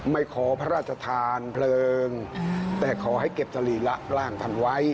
ขอพระราชทานเพลิงแต่ขอให้เก็บสรีระร่างท่านไว้